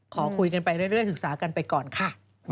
ขอคุยกันไปเรื่อยศึกษากันไปก่อนค่ะ